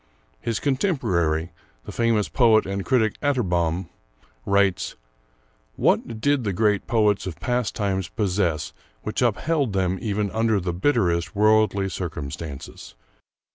His contemporary, the famous poet and critic Atterbom, writes: "What did the great poets of past times possess which upheld them under even the bitterest worldly circumstances?